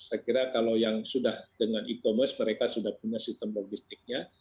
saya kira kalau yang sudah dengan e commerce mereka sudah punya sistem logistiknya